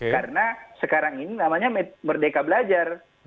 karena sekarang ini namanya merdeka belajar